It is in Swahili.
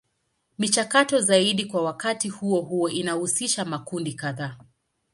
Michakato zaidi kwa wakati huo huo inahusisha makundi kadhaa.